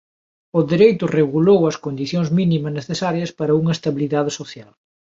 O dereito regulou as condicións mínimas necesarias para unha estabilidade social.